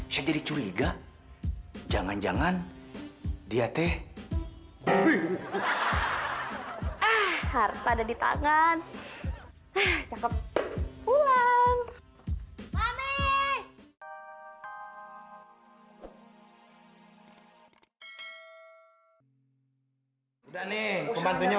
sampai jumpa di video selanjutnya